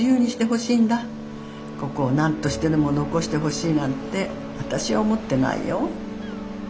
ここをなんとしてでも残してほしいなんてわたしは思ってないよ。